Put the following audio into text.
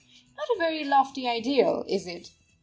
Not a very lofty ideal, is it?